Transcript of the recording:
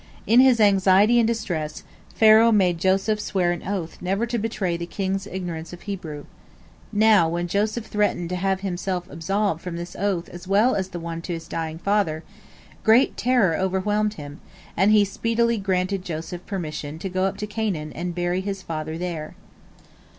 In his anxiety and distress, Pharaoh made Joseph swear an oath never to betray the king's ignorance of Hebrew. Now when Joseph threatened to have himself absolved from this oath as well as the one to his dying father, great terror overwhelmed him, and he speedily granted Joseph permission to go up to Canaan and bury his father there.